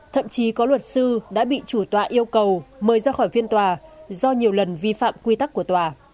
thậm chí có luật sư đã bị chủ tọa yêu cầu mời ra khỏi phiên tòa do nhiều lần vi phạm quy tắc của tòa